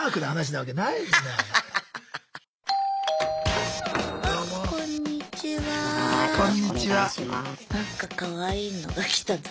なんかかわいいのが来たぞ。